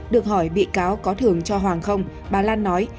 được hỏi bị cáo có thưởng cho hoàng không bà lan nói